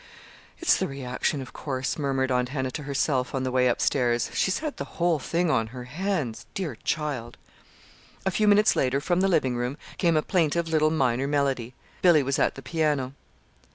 "It's the reaction, of course," murmured Aunt Hannah to herself, on the way up stairs. "She's had the whole thing on her hands dear child!" A few minutes later, from the living room, came a plaintive little minor melody. Billy was at the piano.